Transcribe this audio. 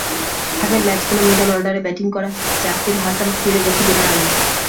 আগের ম্যাচগুলো মিডল অর্ডারে ব্যাটিং করা জাকির হাসান ফিরে গেছেন বিনা রানেই।